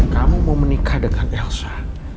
kamu mau menikah dengan elsa